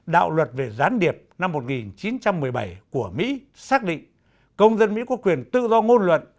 đạo luật về gián điệp năm một nghìn chín trăm một mươi bảy của mỹ xác định công dân mỹ có quyền tự do ngôn luận